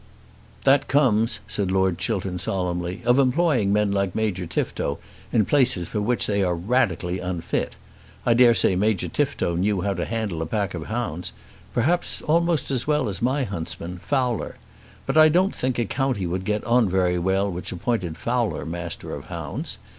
"That comes," said Lord Chiltern solemnly, "of employing men like Major Tifto in places for which they are radically unfit. I dare say Major Tifto knew how to handle a pack of hounds, perhaps almost as well as my huntsman, Fowler. But I don't think a county would get on very well which appointed Fowler Master of Hounds.